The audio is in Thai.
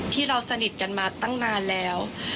ที่เราสนิทกันมาตั้งนานแล้ว